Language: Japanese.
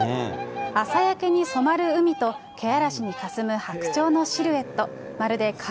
朝焼けに染まる海と、けあらしにかすむ白鳥のシルエット。